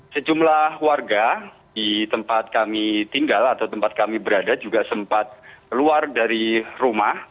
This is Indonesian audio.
sejumlah warga di tempat kami tinggal atau tempat kami berada juga sempat keluar dari rumah